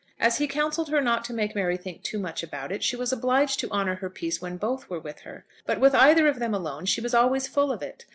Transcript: As he counselled her not to make Mary think too much about it, she was obliged to hold her peace when both were with her; but with either of them alone she was always full of it.